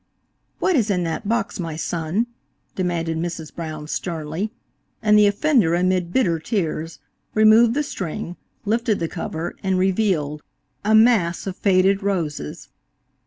"What is in that box, my son?" demanded Mrs. Brown sternly, and the offender, amid bitter tears, removed the string, lifted the cover and revealed–a mass of faded roses.